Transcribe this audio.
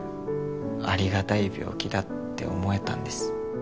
ありがたい病気だって思えたんです。